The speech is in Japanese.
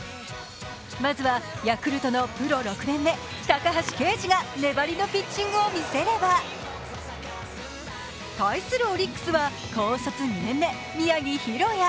まずはヤクルトのプロ６年目、高橋奎二が粘りのピッチングを見せれば対するオリックスは高卒２年目、宮城大弥